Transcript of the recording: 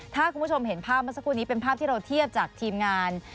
ถ้าคุณผู้ชมเห็นภาพเมื่อสักครู่นี้เป็นภาพที่เราเทียบจากทีมงาน